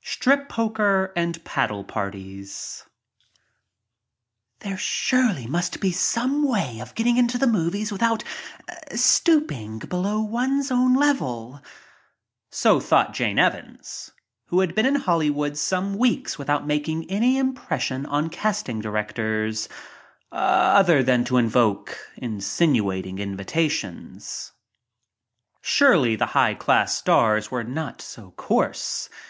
Strip Poker and Paddle HERE surely must be some way of getting into the movies without stooping below one s own So thought Jane Evans, who had been in Holly wood some weeks without making any impression on casting directors other than to invoke insinuating invitations. Surely the high class stars were not so coarse.